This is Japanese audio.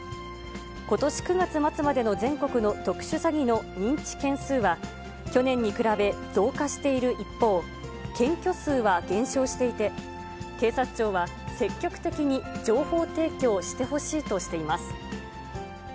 ことし９月末までの全国の特殊詐欺の認知件数は、去年に比べ、増加している一方、検挙数は減少していて、警察庁は、積極的に情報提供してほしいとしています。